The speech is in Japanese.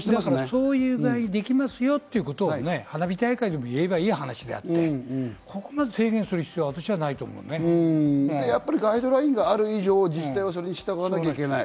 そういう具合にできますよということを花火大会でも言えばいいことであって、ここまで制限する必要は私ガイドラインがある以上、自治体は従わなきゃいけない。